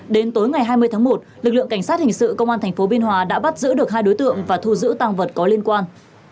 đến tối ngày hai mươi tháng một lực lượng cảnh sát hình sự công an tp biên hòa đã bắt giữ được hai đối tượng và thu giữ tăng vật có liên quan